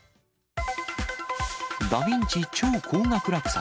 ダ・ヴィンチ超高額落札。